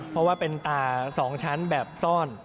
เพราะว่าเป็นตา๒ชั้นแบบซ่อน